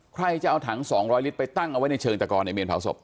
ใครจะเอาถัง๒๐๐ลิตรไปตั้งเอาไว้ในเชิงตะกรในเมนเผาศพ